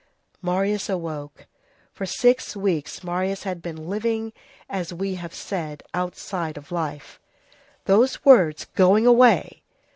Marius awoke. For six weeks Marius had been living, as we have said, outside of life; those words, _going away!